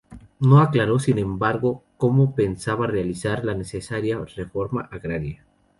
No aclaró, sin embargo, cómo pensaba realizar la necesaria reforma agraria.